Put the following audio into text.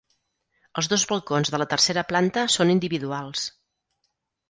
Els dos balcons de la tercera planta són individuals.